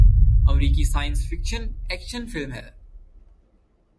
امریکی science fiction action film ہے